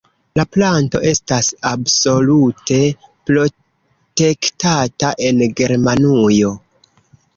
La planto estas absolute protektata en Germanujo.